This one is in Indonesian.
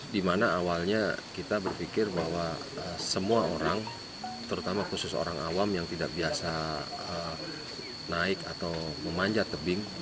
dimana awalnya kita berpikir bahwa semua orang terutama khusus orang awam yang tidak biasa naik atau memanjat tebing